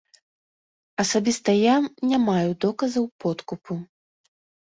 Асабіста я не маю доказаў подкупу.